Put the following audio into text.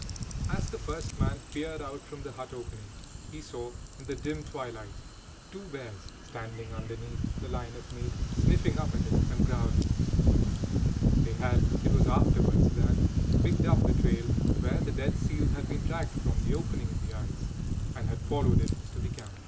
As the first man peered out from the hut opening, he saw, in the dim twilight, two bears standing underneath the line of meat, sniffing up at it and growling. They had, it was afterwards learned, picked up the trail where the dead seals had been dragged from the opening in the ice, and had followed it to the camp.